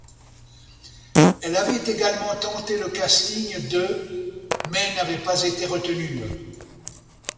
Elle avait également tenté le casting de mais n'avait pas été retenue.